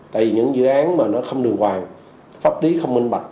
tại những dự án mà nó không đường hoàng pháp lý không minh bạch